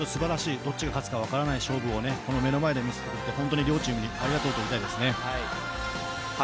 どっちが勝つか分からない勝負をこの目の前で見せてくれて本当に両チームにありがとうと言いたいですね。